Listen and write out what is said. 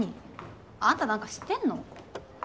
あんたなんか知ってんの？